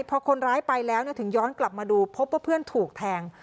พอคนร้ายไปแล้วถึงย้อนกลับมาดูพบว่าเพื่อนถูกแทง